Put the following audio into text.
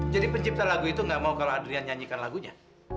jadi pencipta lagu itu nggak mau kalau adrian nyanyikan lagunya